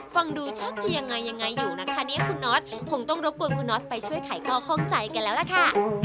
ฟังดูชอบจะยังไงยังไงอยู่นะคะเนี่ยคุณน็อตคงต้องรบกวนคุณน็อตไปช่วยไขข้อข้องใจกันแล้วล่ะค่ะ